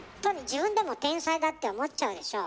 自分でも天才だって思っちゃうでしょ。